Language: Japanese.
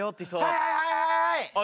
はいはいはいはい。